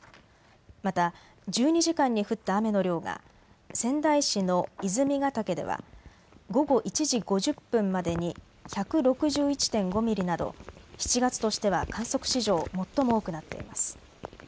また１２時間に降った雨の量が仙台市の泉ケ岳では午後１時５０分までに１６１．５ミリなど７月としては観測史上、最も多くなっています。